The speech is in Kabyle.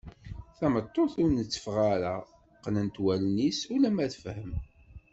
Tameṭṭut ur nteffeɣ ara qqnent wallen-is ulamma tefhem.